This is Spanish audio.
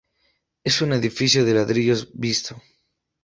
Es un edificio de ladrillo visto.